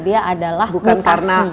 dia adalah mutasi